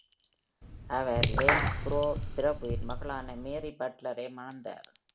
அவர் Lanesborough பிரபுவின் மகளான Mary பட்லரை மணந்தார்.